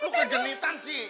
lo kegenitan sih